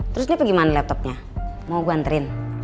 terus ini tuh gimana laptopnya mau gue anterin